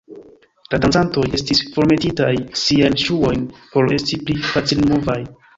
La dancantoj estis formetintaj siajn ŝuojn por esti pli facilmovaj.